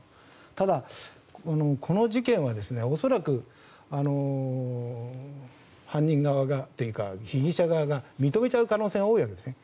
ただ、この事件は恐らく被疑者側が認めちゃう可能性が多いわけですね。